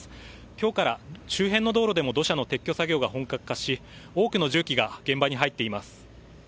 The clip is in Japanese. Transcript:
今日から周辺の道路でも土砂の撤去作業が本格化し、多くの重機が現場に入っています。